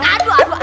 aduh aduh aduh